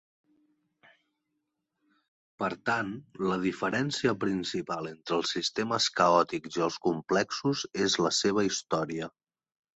Per tant, la diferència principal entre els sistemes caòtics i els complexos és la seva història.